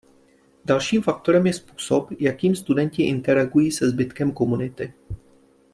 Dalším faktorem je způsob, jakým studenti interagují se zbytkem komunity.